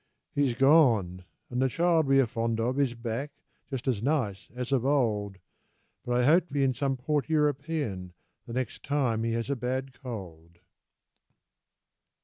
He's gone, and the child we are fond of Is back, just as nice as of old. But I hope to be in some port European The next time he has a bad cold.